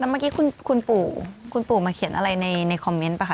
แล้วเมื่อกี้คุณปู่คุณปู่ซักถ่วงมาเขียนอะไรในคอมเม้นต์ป่ะคะ